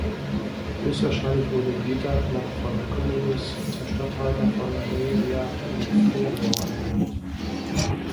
Höchstwahrscheinlich wurde Geta noch von Commodus zum Statthalter von "Moesia inferior" ernannt.